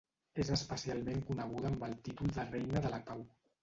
És especialment coneguda amb el títol de Reina de la Pau.